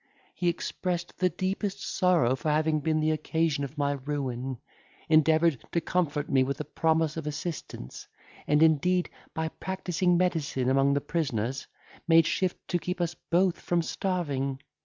He expressed the deepest sorrow for having been the occasion of my ruin, endeavoured to comfort me with a promise of assistance, and indeed, by practising medicine among the prisoners, made shift to keep us both from starving.